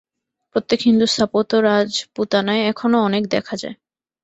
প্রকৃত হিন্দু স্থাপত্য রাজপুতানায় এখনও অনেক দেখা যায়।